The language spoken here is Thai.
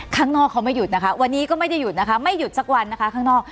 ข้างนอกเขาไม่หยุดนะคะวันนี้ก็ไม่ได้หยุดนะคะไม่หยุดสักวันนะคะข้างนอก